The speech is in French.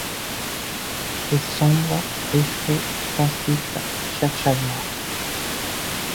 Et sombres, effarés, pensifs, cherchent à voir